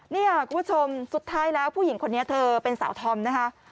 เนี่ยคุณผู้ชมสุดท้ายแล้วผู้หญิงคนนี้เธอเป็นสาวธอมนะคะ